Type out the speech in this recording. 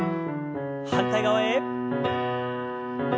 反対側へ。